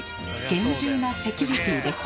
厳重なセキュリティです。